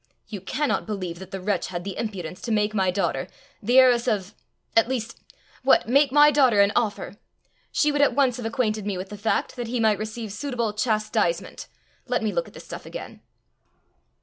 "You cannot believe that the wretch had the impudence to make my daughter the heiress of at least What! make my daughter an offer! She would at once have acquainted me with the fact, that he might receive suitable chastisement. Let me look at the stuff again."